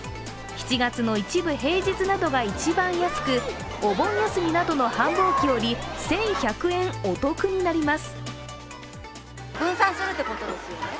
７月の一部平日などが一番安く、お盆休みなどの繁忙期より１１００円お得になります。